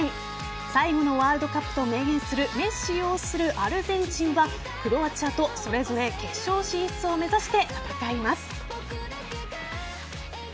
最後のワールドカップと明言するメッシ擁するアルゼンチンはクロアチアとそれぞれ決勝進出を目指して戦います。